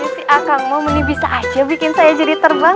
si akang mau bisa aja bikin saya jadi terbang